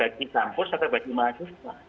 bagi samput atau bagi mahasiswa